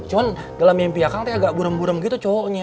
cuman dalam mimpi akang teh agak gurem gurem gitu cowoknya